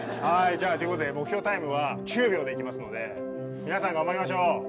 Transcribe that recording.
はいじゃあということで目標タイムは９秒でいきますので皆さん頑張りましょう。